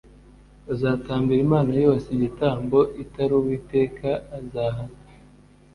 Uzatambira imana yose igitambo itari Uwiteka , azahanwa